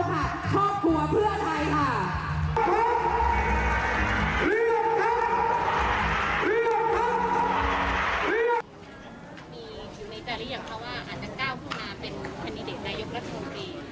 พรบเรียบพรบเรียบพรบ